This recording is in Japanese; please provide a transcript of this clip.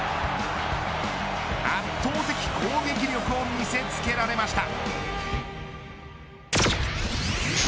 圧倒的攻撃力を見せつけられました。